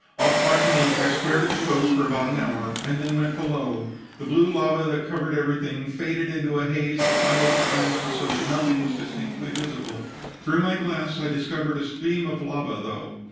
Off Martinique I stared at the coast for about an hour, and then went below. The blue lava that covered everything faded into the haze that hung over the island so that nothing was distinctly visible. Through my glass I discovered a stream of lava, though.